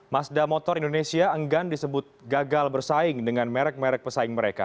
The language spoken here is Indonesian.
mazda motor indonesia enggan disebut gagal bersaing dengan merek merek pesaing mereka